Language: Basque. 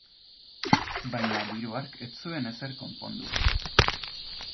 Baina diru hark ez zuen ezer konpondu.